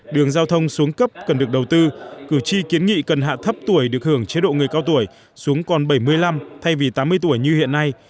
đường giao thông xuống cấp cần được đầu tư cử tri kiến nghị cần hạ thấp tuổi được hưởng chế độ người cao tuổi xuống còn bảy mươi năm thay vì tám mươi tuổi như hiện nay